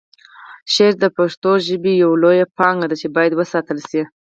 شعر د پښتو ژبې یوه لویه پانګه ده چې باید وساتل شي.